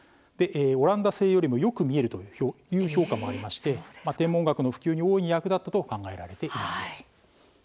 オランダ製よりもよく見えるという評価もありまして天文学の普及に大いに役立ったと考えられています。